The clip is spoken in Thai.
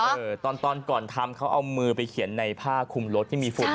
ตอนก่อนทำเขาเอามือไปเขียนในผ้าคุมรถที่มีฝุ่น